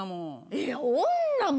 いや女も。